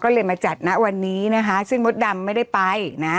ก็เลยมาจัดนะวันนี้นะคะซึ่งมดดำไม่ได้ไปนะ